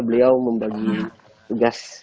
beliau membagi tugas